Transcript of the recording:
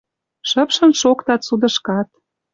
Шыпшын шоктат судышкат...»